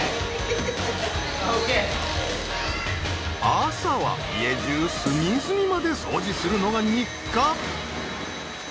朝は家中隅々まで掃除するのが日課。